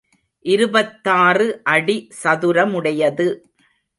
இருபத்தாறு அடி சதுரமுடையது.